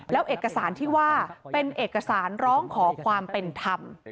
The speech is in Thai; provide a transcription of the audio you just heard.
แล้วเอกสารที่ว่าเป็นเอกสารร้องขอความเป็นธรรม